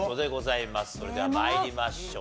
それでは参りましょう。